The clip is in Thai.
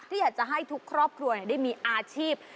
อยากจะให้ทุกครอบครัวได้มีอาชีพ